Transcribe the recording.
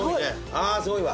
ああすごいわ。